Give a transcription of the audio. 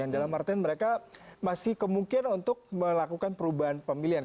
dalam artian mereka masih kemungkinan untuk melakukan perubahan pemilihan